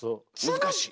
難しい。